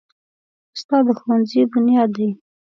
استاد د ښوونځي بنیاد دی.